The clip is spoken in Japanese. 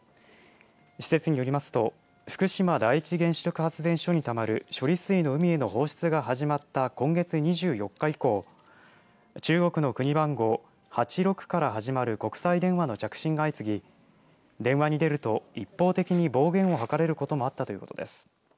施設によりますと福島第一原子力発電所にたまる処理水の海への放出が始まった今月２４日以降中国の国番号８６から始まる国際電話の着信が相次ぎ電話に出ると一方的に暴言を吐かれることもあったということです。